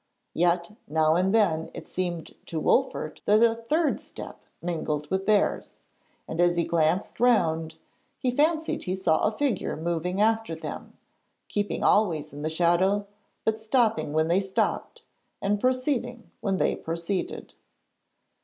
Yet, now and then it seemed to Wolfert that a third step mingled with theirs, and as he glanced round he fancied he saw a figure moving after them, keeping always in the shadow but stopping when they stopped, and proceeding when they proceeded.